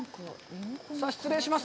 失礼します。